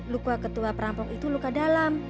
luka ketua perampok itu luka dalam